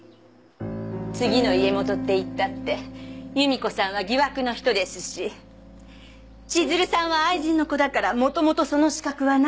次の家元っていったって夕美子さんは疑惑の人ですし千鶴さんは愛人の子だからもともとその資格はないし。